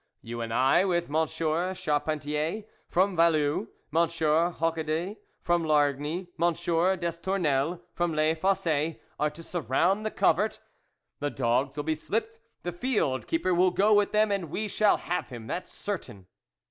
You and I, with Monsieur Charpentier, from Vallue, Monsieur Hochedez, from Largny, Monsieur Des tournelles, from Les Fosses, are to surround the Covert ; the dogs will be slipped, the field keeper will go with them, and we shall have him, that's certain."